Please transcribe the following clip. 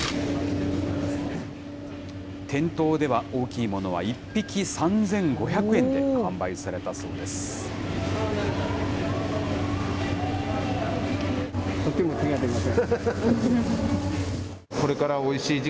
店頭では、大きいものは１匹３５００円で販売されたそうです。